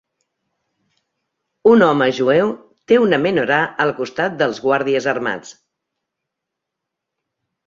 un home jueu té una menorà al costat dels guàrdies armats